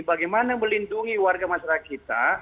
bagaimana melindungi warga masyarakat kita